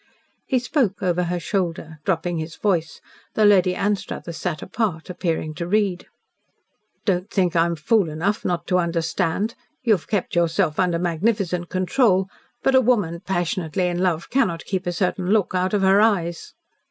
He spoke over her shoulder, dropping his voice, though Lady Anstruthers sat apart, appearing to read. "Don't think I am fool enough not to understand. You have yourself under magnificent control, but a woman passionately in love cannot keep a certain look out of her eyes."